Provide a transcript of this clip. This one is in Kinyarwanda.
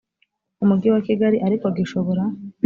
umujyi wa kigali ariko gishobora